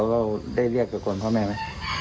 แล้วเราก็ได้เรียกกับคนพ่อแม่ไหม